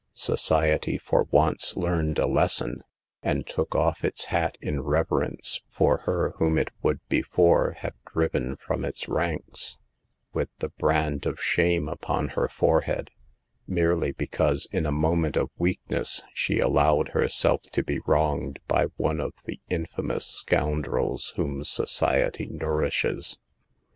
Society for once learned a lesson, and took off its hat in reverence for her whom it would before have driven from its ranks, with the brand of shame upon her forehead, merely because, in a mo ment of weakness, she allowed herself to be wronged by one of the infamous scoundrels whom society nourishes.